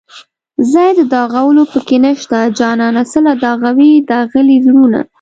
ځای د داغلو په کې نشته جانانه څله داغوې داغلي زړونه